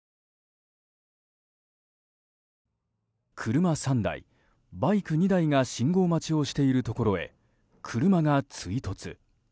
車３台、バイク２台が信号待ちをしているところへ車が追突。